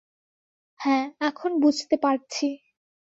হ্যাঁ, এখন বুঝতে পারছি।